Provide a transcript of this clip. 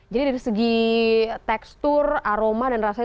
jadi dari segi tekstur aroma dan rasanya itu